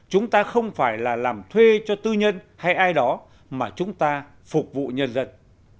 chúng ta không phải là làm thuê cho tư nhân hay ai đó mà chúng ta phục vụ nhân dân